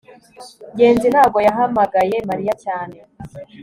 ngenzi ntabwo yahamagaye mariya cyane